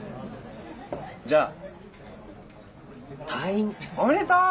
じゃあ退院おめでとう！